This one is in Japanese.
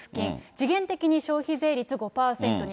時限的に消費税率５％に。